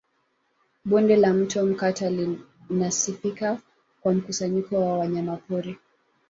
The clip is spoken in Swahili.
Bonde la Mto Mkata linasifika kwa mkusanyiko wa wanyamapori